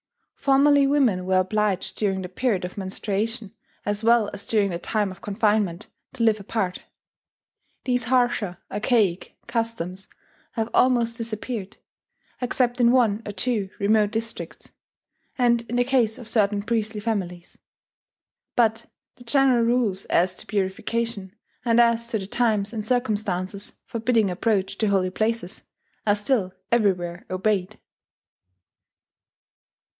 Formerly women were obliged during the period of menstruation, as well as during the time of confinement, to live apart. These harsher archaic customs have almost disappeared, except in one or two remote districts, and in the case of certain priestly families; but the general rules as to purification, and as to the times and circumstances forbidding approach to holy places, are still everywhere obeyed.